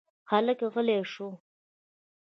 هلک غلی شو.